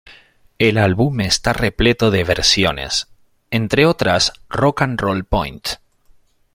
El álbum está repleto de versiones, entre otras "Rock and Roll, Pt.